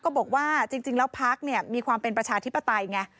ก็บอกว่าจริงแล้วพักเนี่ยมีความเป็นประชาธิปไตยไง